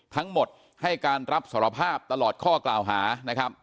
ทั้งหมดให้การรับสารภาพตลอดข้อกล่าวหานะครับ